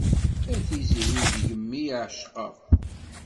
A tiziri deg-m i ɛecqeɣ.